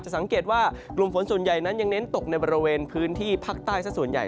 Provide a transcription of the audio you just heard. สังเกตว่ากลุ่มฝนส่วนใหญ่นั้นยังเน้นตกในบริเวณพื้นที่ภาคใต้สักส่วนใหญ่